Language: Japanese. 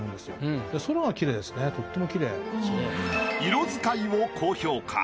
色使いを高評価。